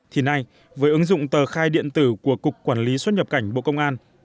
thì nay với ứng dụng tờ khai điện tử của cục quản lý xuất nhập cảnh bộ công an